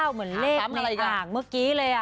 ๘๔๙เหมือนเลขในอ่างเมื่อกี้เลยอ่ะ